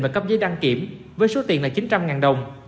và cấp giấy đăng kiểm với số tiền là chín trăm linh đồng